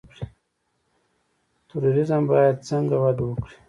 توریزم باید څنګه وده وکړي؟